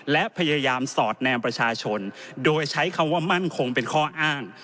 และพยายามสอดแนมประชาชนโดยใช้คำว่ามั่นคงเป็นข้ออ้าง